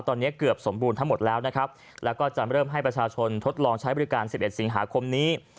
ตอนนี้เกือบสมบูรณ์ทั้งหมดแล้วนะครับแล้วก็จะเริ่มให้ประชาชนทดลองใช้บริการ๑๑สิงหาคมนี้